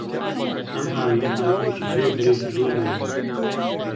ئەم هاوینە، هاوینێکی زۆر درێژ و زۆر گەرم بوو.